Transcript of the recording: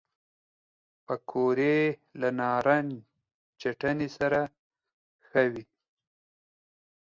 پکورې له نارنج چټني سره ښه وي